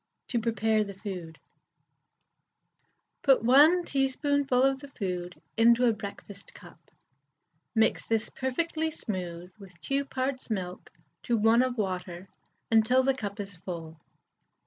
(To Prepare the Food.) Put 1 teaspoonful of the food into a breakfast cup; mix this perfectly smooth with 2 parts milk to 1 of water until the cup is full.